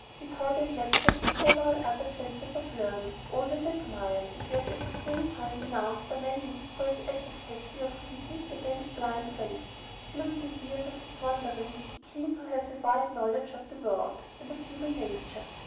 He taught and lectured at several other centers of learning, always admired, and yet at the same time denounced by many for his advocacy of reason as against blind faith. During the years of his wandering he came to have a wide knowledge of the world and of human nature.